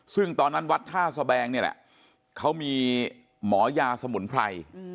ซึ่งตอนนั้นวัดท่าสแบงนี่แหละเขามีหมอยาสมุนไพร